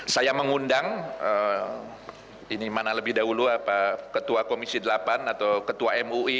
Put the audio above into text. saya mengundang ini mana lebih dahulu ketua komisi delapan atau ketua mui